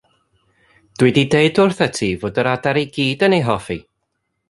Dw i 'di dweud wrthat ti fod yr adar i gyd yn ei hoffi.